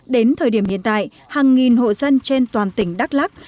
đến thời điểm hiện tại hàng nghìn hộ dân trên toàn tỉnh đắk lắc